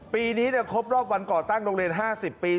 ปีนี้ครบรอบวันก่อตั้งโรงเรียน๕๐ปี